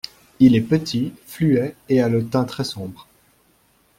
Il est petit, fluet, et a le teint très sombre.